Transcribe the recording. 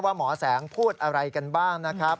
หมอแสงพูดอะไรกันบ้างนะครับ